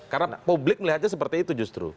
karena publik melihatnya seperti itu justru